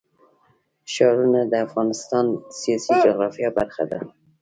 ښارونه د افغانستان د سیاسي جغرافیه برخه ده.